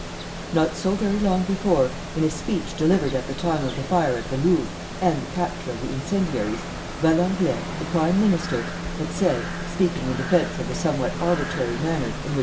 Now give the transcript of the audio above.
] Not so very long before, in a speech delivered at the time of the fire at the Louvre and the capture of the incendiaries, Valenglay, the prime minister, had said, speaking in defence of the somewhat arbitrary manner in which M.